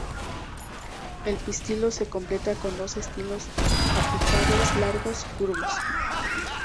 El pistilo se completa con dos estilos apicales largos y curvos.